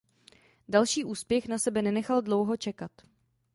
Další úspěch na sebe nenechal dlouho čekat.